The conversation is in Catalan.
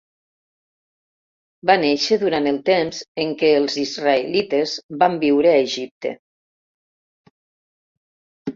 Va néixer durant el temps en què els israelites van viure a Egipte.